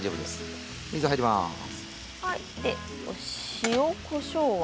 塩、こしょうは？